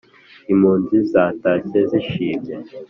impunzi zatashye zishimye